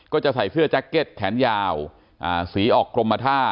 ก็จะใส่เสื้อแจ็คเก็ตแขนยาวสีออกกรมท่า